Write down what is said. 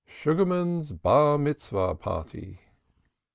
SUGARMAN'S BAR MITZVAH PARTY.